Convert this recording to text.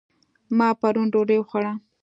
ما پرون ډوډۍ وخوړه